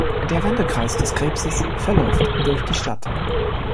Der Wendekreis des Krebses verläuft durch die Stadt.